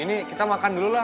ini kita makan dulu lah